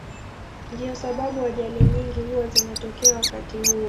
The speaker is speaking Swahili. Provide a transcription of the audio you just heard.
Ndiyo sababu ajali nyingi huwa zinatokea wakati huo.